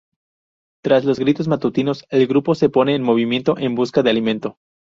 Tras los gritos matutinos, el grupo se pone en movimiento en busca de alimento.